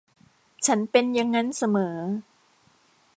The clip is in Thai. ฉันเป็นยังงั้นเสมอ